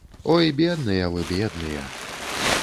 Ой, бедныя вы, бедныя.